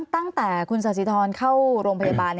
ตั้งแต่คุณสาธิธรเข้าโรงพยาบาล